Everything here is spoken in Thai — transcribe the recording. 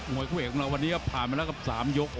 งวยคุณผู้เอียดของเราวันนี้ก็ผ่านมาแล้วกับ๓ยก